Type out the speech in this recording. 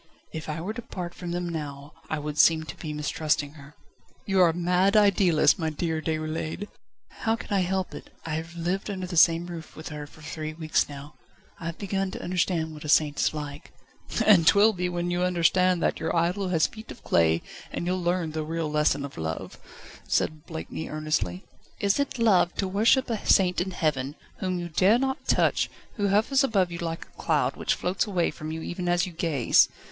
"If I were to part from them now I would seem to be mistrusting her." "You are a mad idealist, my dear Déroulède!" "How can I help it? I have lived under the same roof with her for three weeks now. I have begun to understand what a saint is like." "And 'twill be when you understand that your idol has feet of clay that you'll learn the real lesson of love," said Blakeney earnestly. "Is it love to worship a saint in heaven, whom you dare not touch, who hovers above you like a cloud, which floats away from you even as you gaze?